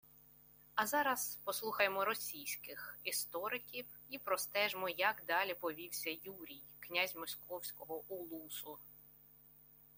А зараз послухаймо російських істориків і простежмо, як далі повівся Юрій, князь Московського улусу